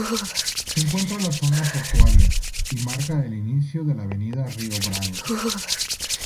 Se encuentra la Zona Portuaria y marca el inicio de la avenida Rio Branco.